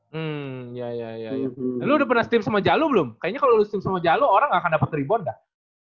hmm iya iya iya lu udah pernah steam sama jalo belum kayaknya kalo lu steam sama jalo orang gak akan dapat ribon dah